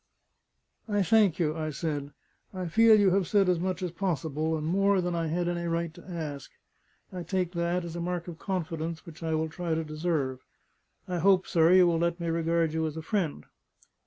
"I thank you," I said. "I feel you have said as much as possible, and more than I had any right to ask. I take that as a mark of confidence, which I will try to deserve. I hope, sir, you will let me regard you as a friend."